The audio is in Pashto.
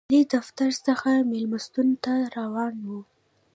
والي دفتر څخه مېلمستون ته روان و.